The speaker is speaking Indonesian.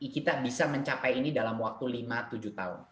kita bisa mencapai ini dalam waktu lima tujuh tahun